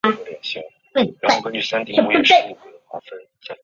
车站位于东西向的高路上。